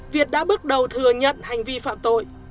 việt đã bước đầu thừa nhận hành vi phạm tội